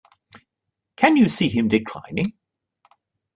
Can you see him declining?